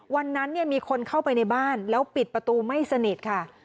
วันนั้นมีคนเข้าไปในบ้านแล้วปิดประตูไม่สนิทค่ะ